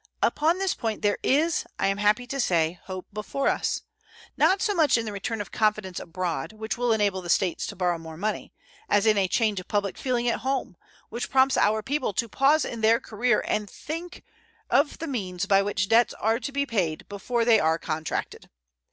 Upon this point there is, I am happy to say, hope before us; not so much in the return of confidence abroad, which will enable the States to borrow more money, as in a change of public feeling at home, which prompts our people to pause in their career and think of the means by which debts are to be paid before they are contracted.